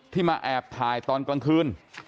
มาแอบถ่ายตอนกลางคืน